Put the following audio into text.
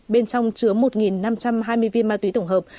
bên trong chứa một năm trăm hai mươi viên ma túy tổng hợp